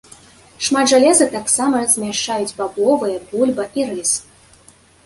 Шмат жалеза таксама змяшчаюць бабовыя, бульба і рыс.